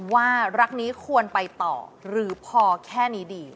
ว่ารักนี้ควรไปต่อหรือพอแค่นี้ดี